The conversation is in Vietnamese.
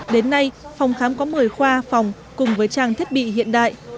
đến nay phòng khám có một mươi khoa phòng cùng với trang thiết bị hiện đại